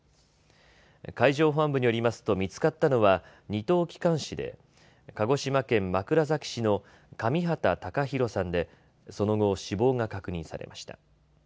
海上保安部によりますと見つかったのは２等機関士で鹿児島県枕崎市の上畠隆寛さんでその後、死亡が確認されました。